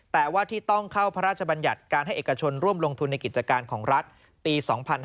แต่ว่าที่ต้องเข้าพระราชบัญญัติการให้เอกชนร่วมลงทุนในกิจการของรัฐปี๒๕๕๙